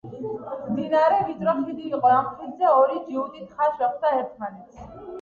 მდინარეზე ვიწრო ხიდი იყო. ამ ხიდზე ორი ჯიუტი თხა შეხვდა ერთმანეთს